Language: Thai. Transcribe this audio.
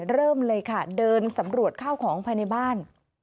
เริ่มเลยค่ะเดินสำรวจข้าวของภายในบ้าน